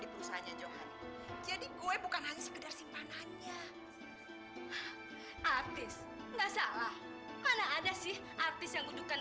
bukankah setiap laki laki yang punya uang